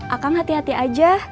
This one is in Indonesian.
akang hati hati aja